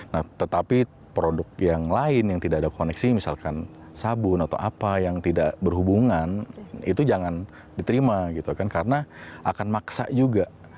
nah tetapi produk yang lain yang tidak ada koneksi misalkan sabun atau apa yang tidak berhubungan itu jangan diterima gitu kan karena akan maksa juga